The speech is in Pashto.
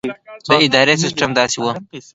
د ادارې سسټم داسې وو.